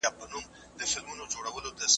د بورې او خوږو شیانو کارول کم کړئ.